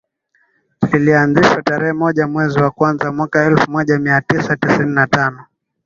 Lilianzishwa tarehe moja mwezi wa kwanza mwaka elfu moja mia tisa tisini na tano